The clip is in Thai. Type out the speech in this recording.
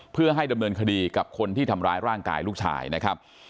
เพื่อให้ดำเนินคดีกับคนที่ทำร้ายร่างกายลูกชายนะครับ